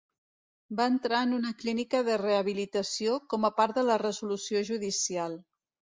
Va entrar en una clínica de rehabilitació com a part de la resolució judicial.